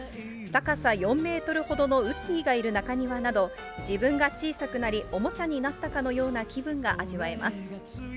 高さ４メートルほどのウッディがいる中庭など、自分が小さくなり、おもちゃになったかのような気分が味わえます。